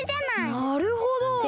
なるほど！